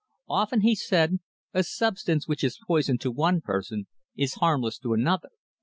"Often," he said, "a substance which is poison to one person is harmless to another.